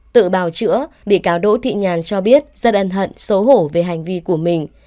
tự bào chữa bị cáo đỗ thị nhàn cho biết rất ân hận xấu hổ về hành vi của mình